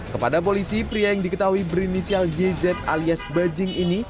kepada polisi pria yang diketahui berinisial yz alias bajing ini